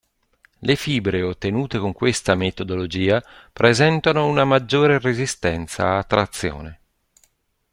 Le fibre ottenute con questa metodologia presentano una maggiore resistenza a trazione.